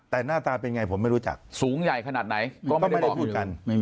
แต่หน้าตาเป็นไงผมไม่รู้จักสูงใหญ่ขนาดไหนก็ไม่ได้พูดกัน